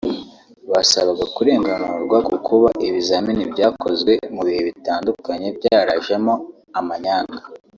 basabaga kurenganurwa ku kuba ibizamini byakozwe mu bihe bitandukanye byarajemo amanyanga